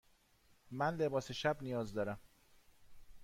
من لباس شب نیاز دارم.